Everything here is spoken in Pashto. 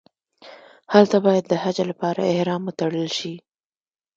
هلته باید د حج لپاره احرام وتړل شي.